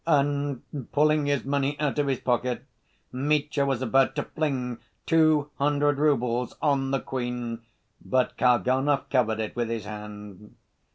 And pulling his money out of his pocket, Mitya was about to fling two hundred roubles on the queen, but Kalganov covered it with his hand.